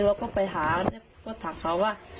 เราก็ไปหาก็ถามเขาว่า